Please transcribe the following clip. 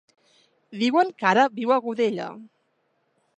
Diuen que ara viu a Godella.